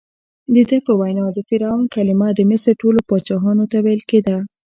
دده په وینا د فرعون کلمه د مصر ټولو پاچاهانو ته ویل کېده.